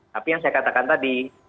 tapi yang saya katakan tadi